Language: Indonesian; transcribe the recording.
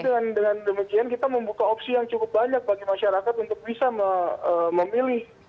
jadi dengan demikian kita membuka opsi yang cukup banyak bagi masyarakat untuk bisa memilih